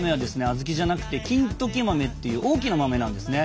小豆じゃなくて金時豆っていう大きな豆なんですね。